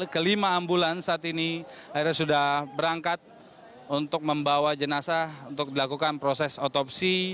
kelima ambulans saat ini akhirnya sudah berangkat untuk membawa jenazah untuk dilakukan proses otopsi